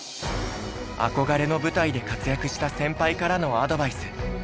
憧れの舞台で活躍した先輩からのアドバイス。